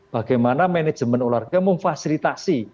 bagaimana manajemen olahraga memfasilitasi